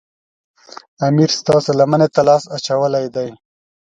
امیر ستاسو لمنې ته لاس اچولی دی.